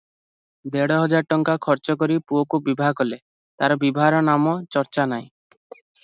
ଦେଢ଼ ହଜାର ଟଙ୍କା ଖରଚ କରି ପୁଅକୁ ବିଭା କଲେ, ତାର ବିଭାର ନାମ ଚର୍ଚ୍ଚା ନାହିଁ ।